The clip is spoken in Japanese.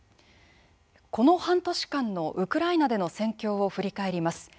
この半年間のウクライナでの戦況を振り返ります。